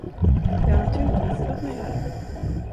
Ja, naturligtvis, låt mig höra.